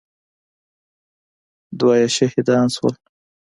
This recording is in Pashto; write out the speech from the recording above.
دوه يې شهيدان سول.